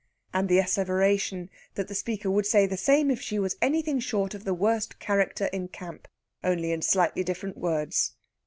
And the asseveration that the speaker would say the same if she was anything short of the worst character in camp, only in slightly different words.